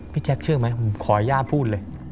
แจ๊คเชื่อไหมผมขออนุญาตพูดเลย